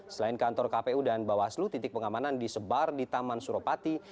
selain kantor kpu dan bawaslu titik pengamanan disebar di taman suropati